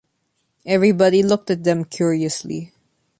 Everybody looked at them curiously.